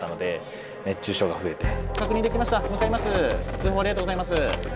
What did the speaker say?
通報ありがとうございます。